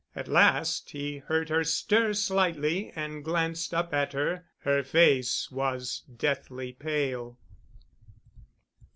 At last he heard her stir slightly and glanced up at her. Her face was deathly pale.